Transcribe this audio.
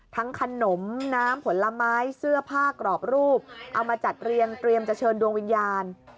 ขนมน้ำผลไม้เสื้อผ้ากรอบรูปเอามาจัดเรียงเตรียมจะเชิญดวงวิญญาณ